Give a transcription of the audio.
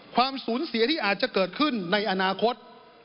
ความสูญเสียที่อาจจะเกิดขึ้นในอนาคต